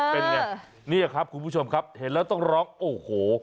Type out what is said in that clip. เป็นไงนี่ครับคุณผู้ชมครับเห็นแล้วต้องร้องโอ้โห